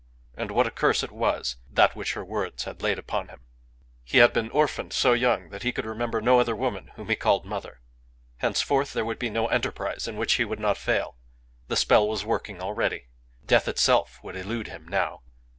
And what a curse it was that which her words had laid upon him! He had been orphaned so young that he could remember no other woman whom he called mother. Henceforth there would be no enterprise in which he would not fail. The spell was working already. Death itself would elude him now.